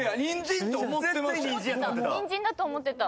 「にんじん」だと思ってた。